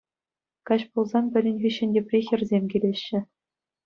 Каҫ пулсан пӗрин хыҫҫӑн тепри хӗрсем килеҫҫӗ.